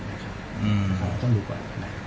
ต้องดูก่อน